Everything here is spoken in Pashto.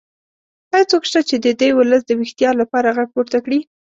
ایا څوک شته چې د دې ولس د ویښتیا لپاره غږ پورته کړي؟